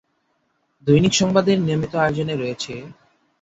দৈনিক সংবাদের নিয়মিত আয়োজনে রয়েছেঃ